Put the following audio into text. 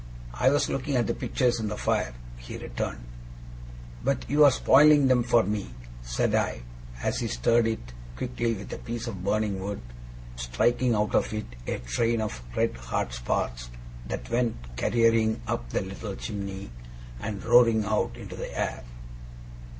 'I was looking at the pictures in the fire,' he returned. 'But you are spoiling them for me,' said I, as he stirred it quickly with a piece of burning wood, striking out of it a train of red hot sparks that went careering up the little chimney, and roaring out into the air.